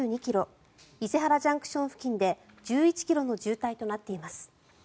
伊勢原ＪＣＴ付近で１１ｋｍの渋滞となっています。